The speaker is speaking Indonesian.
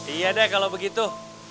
iya deh kalau begitu